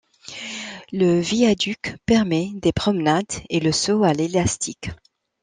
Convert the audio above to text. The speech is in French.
Le viaduc permet des promenades et le saut à l'élastique.